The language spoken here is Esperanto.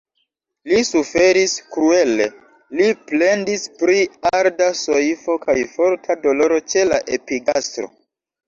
Li suferis kruele; li plendis pri arda soifo kaj forta doloro ĉe la epigastro.